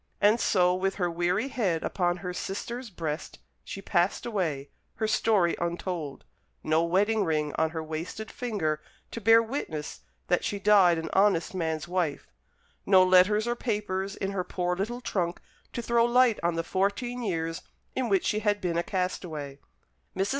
And so, with her weary head upon her sister's breast, she passed away, her story untold, no wedding ring on her wasted finger to bear witness that she died an honest man's wife; no letters or papers in her poor little trunk to throw light on the fourteen years in which she had been a castaway. Mrs.